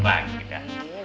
bok gak mau bang